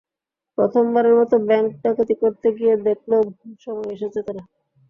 প্রথমবারের মতো ব্যাংক ডাকাতি করতে গিয়ে দেখল ভুল সময়ে এসেছে তারা।